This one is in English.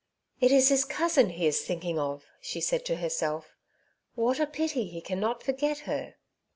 '^ It is his covudn he is thinking of," nhe said to hersdf ;'' what a pity he cannot forg^ her